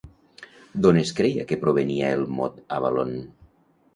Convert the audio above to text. D'on es creia que provenia el mot Avalon?